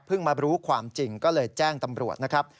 มารู้ความจริงก็เลยแจ้งตำรวจนะครับ